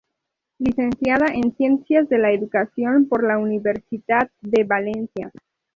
Licenciada en Ciencias de la Educación por la Universitat de Valencia.